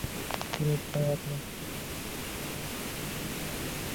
তিনি প্রায় একমাস চিকিৎসাধীন ছিলেন।